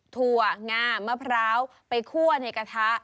ถั่วงามะพร้าวไปคั่วในกระทะ